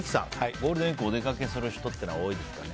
ゴールデンウィークにお出かけする人は多いですかね。